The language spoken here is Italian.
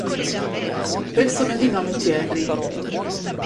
Persone di nome Thierry